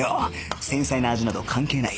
繊細な味など関係ない